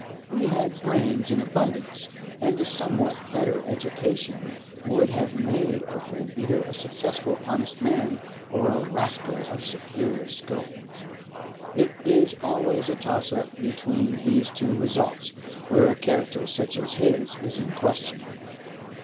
He had brains in abundance, and a somewhat better education would have made of him either a successful honest man or a rascal of superior scope—it is always a toss up between these two results where a character such as his is in question.